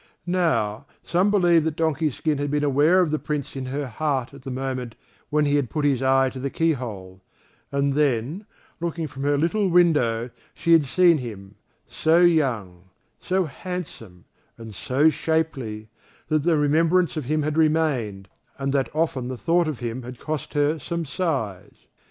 Now, some believe that Donkey skin had been aware of the Prince in her heart at the moment when he had put his eye to the keyhole; and then, looking from her little window, she had seen him, so young, so handsome, and so shapely, that the remembrance of him had remained, and that often the thought of him had cost her some sighs.